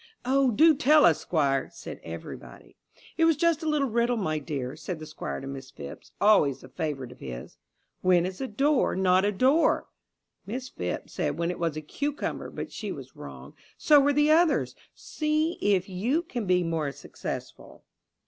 "Oh, do tell us, Squire," said everybody. "It was just a little riddle, my dear," said the Squire to Miss Phipps, always a favourite of his. "When is a door not a door?" Miss Phipps said when it was a cucumber; but she was wrong. So were the others. See if you can be more successful.